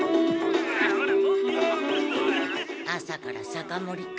朝から酒盛りか。